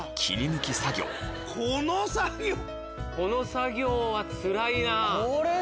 この作業はつらいな。